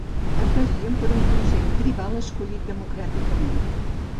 Es regeixen per un consell tribal escollit democràticament.